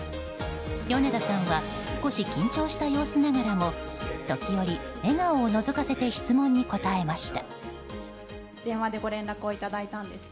米田さんは少し緊張した様子ながらも時折、笑顔をのぞかせて質問に答えました。